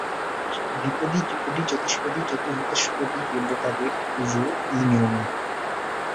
দ্বিপদী ত্রিপদী চতুষ্পদী চতুর্দশপদী দেবতাদের পুজোও এই নিয়মে।